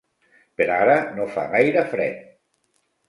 Per ara no fa gaire fred.